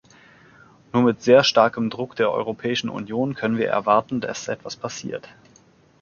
Nur mit sehr starkem Druck der Europäischen Union können wir erwarten, dass etwas passiert.